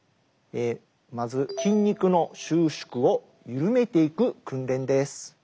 まず筋肉の収縮を緩めていく訓練です。